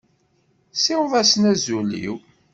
Siweḍ-asen azul-iw.